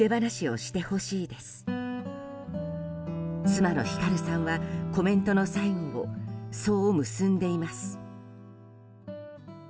妻のひかるさんはコメントの最後をそう結んでいます。